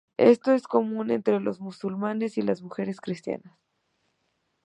Esto es común entre los musulmanes y las mujeres cristianas.